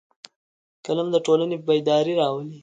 قلم د ټولنې بیداري راولي